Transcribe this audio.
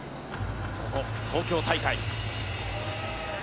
ここ東京大会。